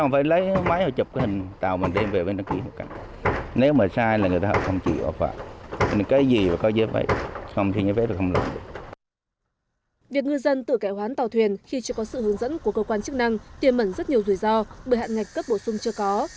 việc ngư dân tự cải hoán tàu thuyền khi chưa có sự hướng dẫn của cơ quan chức năng tiềm mẩn rất nhiều rủi ro bởi hạn ngạch cấp bổ sung chưa có